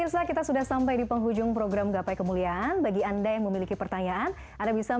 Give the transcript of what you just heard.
jangan kemana mana pemirsa